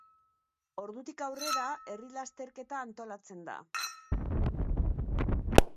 Ordutik aurrera herri lasterketa antolatzen da.